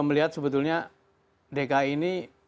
melihat sebetulnya dki ini